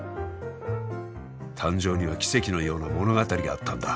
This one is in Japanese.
誕生には奇跡のような物語があったんだ。